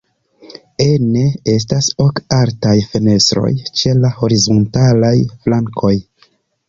Ene estas ok altaj fenestroj ĉe la horizontalaj flankoj.